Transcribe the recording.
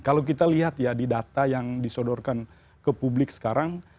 kalau kita lihat ya di data yang disodorkan ke publik sekarang